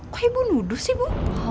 kok ibu nuduh sih bu